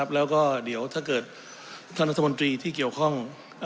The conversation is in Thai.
แล้วก็เดี๋ยวถ้าเกิดท่านรัฐมนตรีที่เกี่ยวข้อง